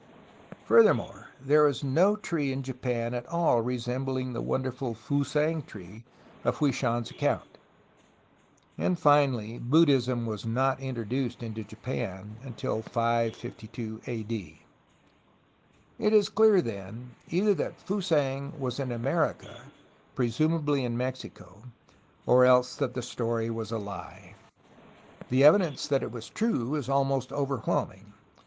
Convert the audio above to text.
Furthermore, there is no tree in Japan at all resembling the wonderful ' 'Fusang tree" of Hwui Shan's account. Finally, Buddhism was not introduced into Japan until 552 A. D. It is clear, then, either that Fusang was in America, pre sumably in Mexico, or else that the story was a he. The THE CHINESE ALONG THE COAST IN ANCIENT TIMES 27 evidence that it was true is almost overwhelming.